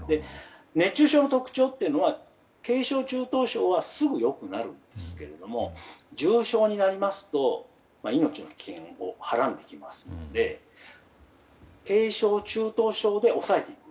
熱中症の特徴というのは軽症・中等症はすぐ良くなるんですけど重症になりますと命の危険をはらんできますので軽症・中等症で抑えていく。